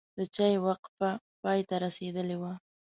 د چای وقفه پای ته رسیدلې وه.